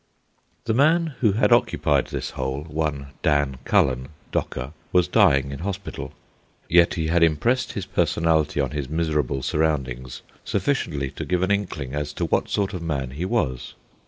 The man who had occupied this hole, one Dan Cullen, docker, was dying in hospital. Yet he had impressed his personality on his miserable surroundings sufficiently to give an inkling as to what sort of man he was.